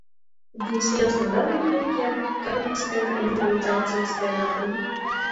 "Bijis viens no dalībniekiem "Karaliskajā improvizācijas teātrī"."